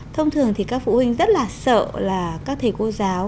thông thường thì các phụ huynh rất là sợ là các thầy cô giáo